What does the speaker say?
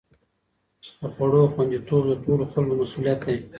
د خوړو خوندي توب د ټولو خلکو مسؤلیت دی.